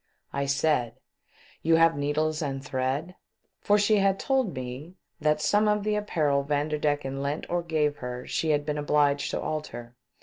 I said :" You have needles and thread ?" for she had told me that some of the apparel Vanderdecken lent or gave her she had been obliged to alter.